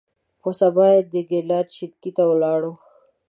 په سبا یې د ګیلان شینکۍ ته ولاړو.